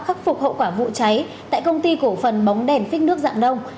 khắc phục hậu quả vụ cháy tại công ty cổ phần bóng đèn phích nước dạng đông